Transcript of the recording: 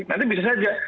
nanti bisa saja